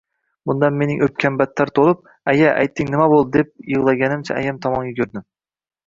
Bundan mening oʻpkam battar toʻlib, – Aya, ayting, nima boʻldi? – deb yigʻlaganimcha ayam tomon yugurdim.